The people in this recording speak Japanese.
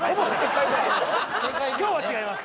今日は違います